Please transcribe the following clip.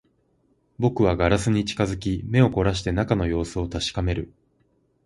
僕はガラスに近づき、目を凝らして中の様子を確かめる